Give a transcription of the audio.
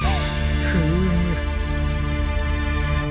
フーム。